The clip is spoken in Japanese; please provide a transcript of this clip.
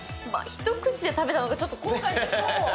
１口で食べたのが、ちょっと後悔してます。